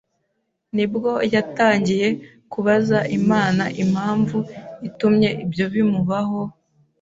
nibwo yatangiye kubaza Imana impamvu itumye ibyo bimubaho,